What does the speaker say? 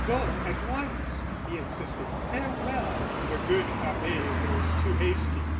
"Go, go at once," he insisted. "Farewell!" The good abbe was too hasty.